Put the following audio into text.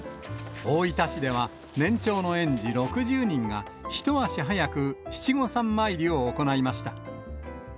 大分市では、年長の園児６０人が、一足早く七五三参りを行いました。